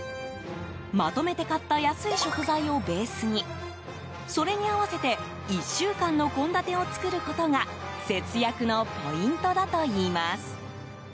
まとめて買った安い食材をベースにそれに合わせて１週間の献立を作ることが節約のポイントだといいます。